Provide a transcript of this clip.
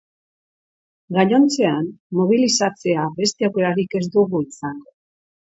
Gainontzean, mobilizatzea beste aukerarik ez dugu izango.